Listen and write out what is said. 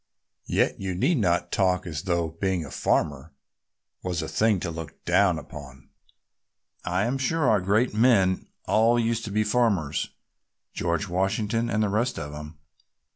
Yet you need not talk as though being a farmer was a thing to look down upon. I am sure our great men all used to be farmers, George Washington and the rest of 'em.